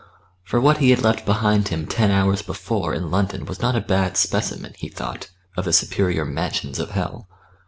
For what he had left behind him ten hours before in London was not a bad specimen, he thought, of the superior mansions of hell.